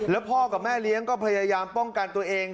แล้วพ่อกับแม่เลี้ยงก็พยายามป้องกันตัวเอง